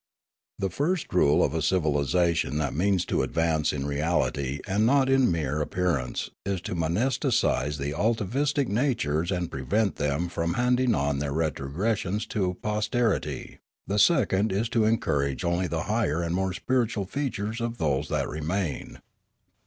The first rule of a civilisation that means to advance in reality and not in mere ap My Education 23 pearance is to monasticise all atavistic natures and pre vent them from handing on their retrogression to a posterity ; the second is to encourage only the higher and more spiritual features of those that remain.